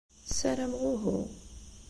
Ssarameɣ uhu.